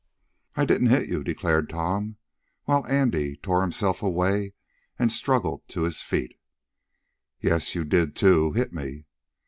"I didn't hit you," declared Tom, while Andy tore himself away, and struggled to his feet. "Yes, you did, too, hit me!"